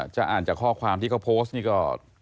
จะอ่านจากข้อความที่เขาโพสต์นี่ก็